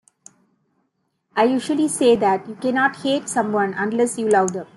I usually say that you cannot hate someone unless you love them.